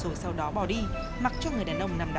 rồi sau đó bỏ đi mặc cho người đàn ông nằm